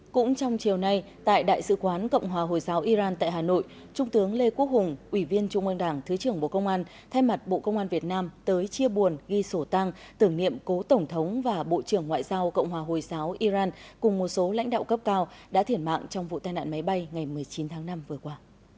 cũng trong chiều nay tại đại sứ quán cộng hòa hồi giáo iran tại hà nội trung tướng lê quốc hùng ủy viên trung ương đảng thứ trưởng bộ công an thay mặt bộ công an việt nam tới chia buồn ghi sổ tăng tưởng niệm cố tổng thống và bộ trưởng ngoại giao cộng hòa hồi giáo iran cùng một số lãnh đạo cấp cao đã thiệt mạng trong vụ tai nạn máy bay ngày một mươi chín tháng năm vừa qua